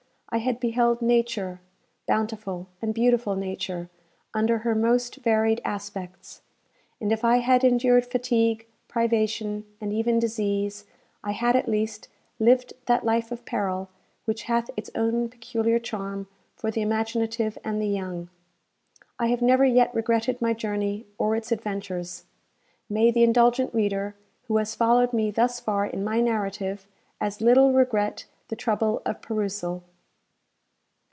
I had beheld Nature, bountiful and beautiful Nature, under her most varied aspects; and if I had endured fatigue, privation, and even disease, I had, at least, lived that life of peril which hath its own peculiar charm for the imaginative and the young. I have never yet regretted my journey, or its adventures. May the indulgent reader, who has followed me thus far in my narrative, as little regret the trouble of perusal!